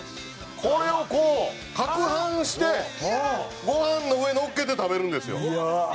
「これをこう攪拌してご飯の上のっけて食べるんですよ」